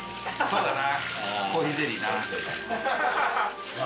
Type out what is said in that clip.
そうだな。